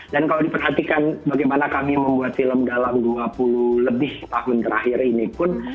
dan kalau diperhatikan bagaimana kami membuat film dalam dua puluh lebih tahun terakhir ini pun